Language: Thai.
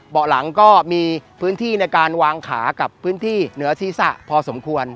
เบาะหลังก็มีพื้นที่ในการวางขากับพื้นที่เหนือศีรษะพอสมควร